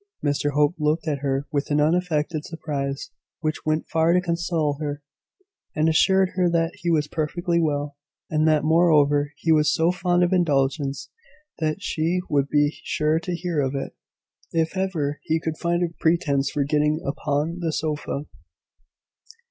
Mr Hope looked at her with an unaffected surprise, which went far to console her, and assured her that he was perfectly well; and that, moreover, he was so fond of indulgence that she would be sure to hear of it, if ever he could find a pretence for getting upon the sofa.